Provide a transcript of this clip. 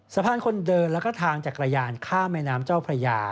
สะพานคนเดินแล้วก็ทางจักรยานข้ามแม่น้ำเจ้าพระยา